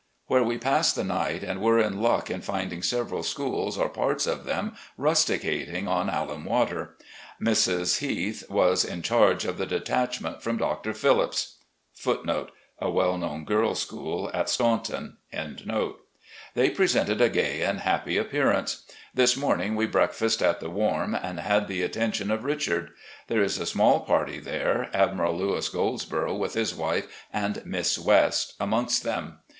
where we passed the night and were in luck in finding several schools or parts of them rusticating on alum water. Mrs. Heath was in charge of the detachment from Dr. Phillips's.* They presented a gay and happy appearance. This morning we breakfasted at the Warm and had the attention of Richard. There is a small party there, Admiral Louis Goldsborough with his wife and Miss West amongst them.